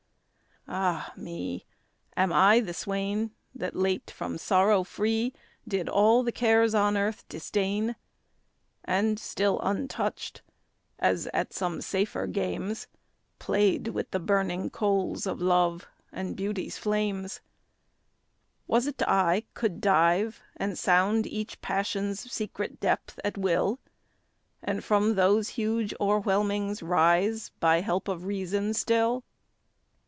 Ah me! Am I the swain That late from sorrow free Did all the cares on earth disdain? And still untouched, as at some safer games, Played with the burning coals of love, and beauty's flames? Was't I could dive, and sound each passion's secret depth at will? And from those huge o'erwhelmings rise, by help of reason still?